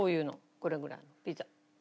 これぐらいのピザ。